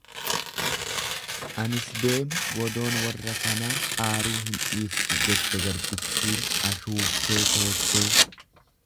Anis deemu godoon warra kanaa aaruu hin dhiiftu jette garbittin ashuuffee teessee.